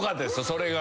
それが。